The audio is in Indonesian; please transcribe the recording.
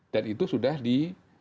dan itu sudah di